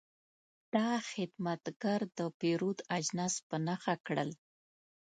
دا خدمتګر د پیرود اجناس په نښه کړل.